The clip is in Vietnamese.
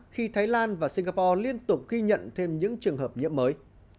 khi thái lan và singapore liên tục ghi nhận thêm những trường hợp nhiễm mới